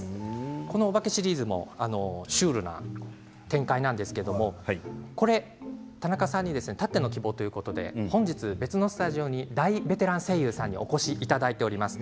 このシリーズもシュールな展開なんですけれどたなかさんたっての希望ということで本日、別のスタジオに大ベテラン声優さんにお越しいただいています。